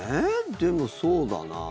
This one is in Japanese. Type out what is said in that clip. でも、そうだな。